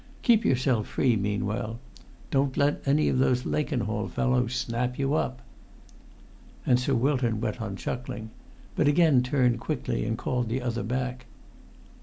Keep yourself free meanwhile. Don't you let any of those Lakenhall fellows snap you up!" And Sir Wilton went on chuckling, but again turned quickly and called the other back.